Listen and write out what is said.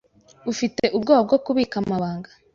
Ufite ubwoba bwo kubika amabanga.